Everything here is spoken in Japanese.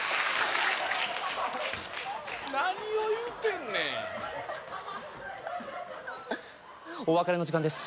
何を言うてんねんお別れの時間です